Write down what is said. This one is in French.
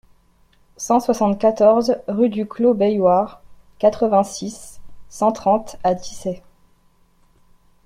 cent soixante-quatorze rue du Clos Beilhoir, quatre-vingt-six, cent trente à Dissay